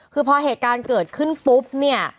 คือพอเหตุการณ์เกิดขึ้นปุ๊บเนี่ย